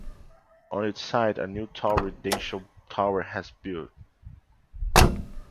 On its site a new tall residential tower was built.